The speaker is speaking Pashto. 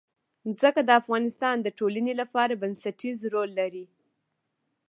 ځمکه د افغانستان د ټولنې لپاره بنسټيز رول لري.